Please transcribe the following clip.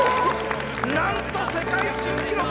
なんと世界新記録！